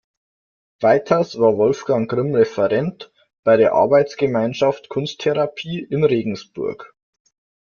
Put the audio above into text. Weiters war Wolfgang Grimm Referent bei der Arbeitsgemeinschaft Kunsttherapie in Regensburg.